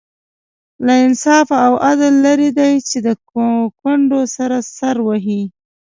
له انصاف او عدل لرې دی چې د کونډو سر سر وهي.